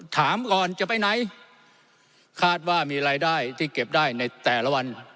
ถามก่อนจะไปไหนคาดว่ามีรายได้ที่เก็บได้ในแต่ละวัน